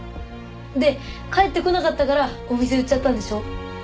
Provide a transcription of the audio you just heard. で返ってこなかったからお店売っちゃったんでしょ？